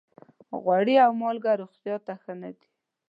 غوړي او مالګه روغتیا ته ښه نه دي.